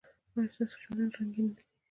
ایا ستاسو خیالونه رنګین نه دي؟